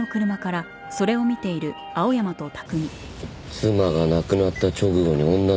妻が亡くなった直後に女と飯。